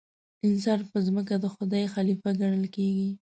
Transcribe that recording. انسان پر ځمکه د خدای خلیفه ګڼل کېږي.